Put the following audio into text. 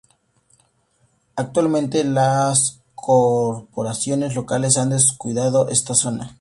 Actualmente, las corporaciones locales han descuidado esta zona.